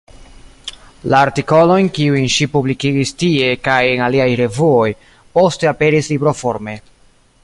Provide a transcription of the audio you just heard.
La artikolojn, kiujn ŝi publikigis tie kaj en aliaj revuoj, poste aperis libroforme.